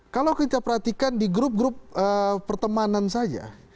kalau kita perhatikan di grup grup pertemanan saja